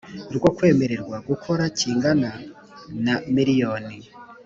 rwo kwemererwa gukora kingana na Miriyoni